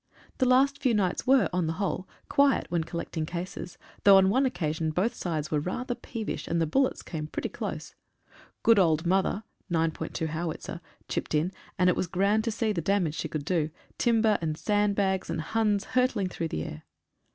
The last few nights were, on the whole quiet when collecting cases, though on one occasion both sides were rather pee vish, and bullets came pretty close. Good "old mother" (9.2 howitzer) chipped in, and it was grand to see the damage she could do — timber and sandbags and Huns hurtling through the air.